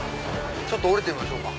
ちょっと降りてみましょうか。